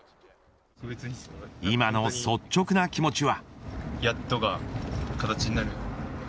今の率直な気持ちは。